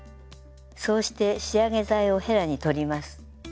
そうして仕上げ剤をへらに取ります。